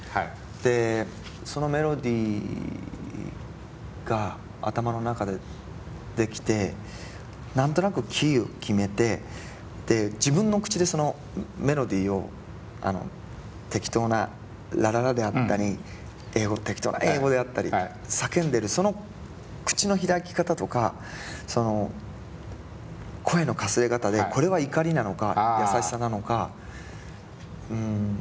でそのメロディーが頭の中で出来て何となくキーを決めて自分の口でそのメロディーを適当な「ラララ」であったり適当な英語であったり叫んでるその口の開き方とかその声のかすれ方でこれは怒りなのか優しさなのかうん